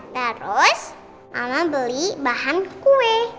terus mama beli bahan kue